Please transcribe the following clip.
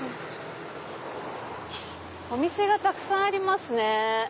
お店がたくさんありますね。